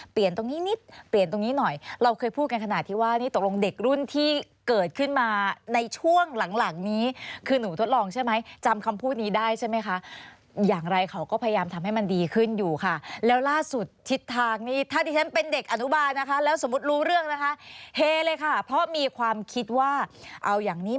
ตรงนี้นิดเปลี่ยนตรงนี้หน่อยเราเคยพูดกันขนาดที่ว่านี่ตกลงเด็กรุ่นที่เกิดขึ้นมาในช่วงหลังหลังนี้คือหนูทดลองใช่ไหมจำคำพูดนี้ได้ใช่ไหมคะอย่างไรเขาก็พยายามทำให้มันดีขึ้นอยู่ค่ะแล้วล่าสุดทิศทางนี้ถ้าที่ฉันเป็นเด็กอนุบาลนะคะแล้วสมมุติรู้เรื่องนะคะเฮเลยค่ะเพราะมีความคิดว่าเอาอย่างนี้